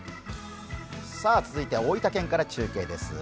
続いては大分県から中継です。